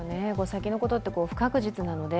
先のことって、不確実なので